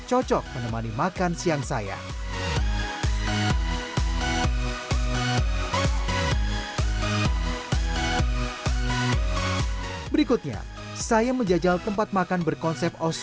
cocok menemani makan siang saya berikutnya saya menjajal tempat makan berkonsep oste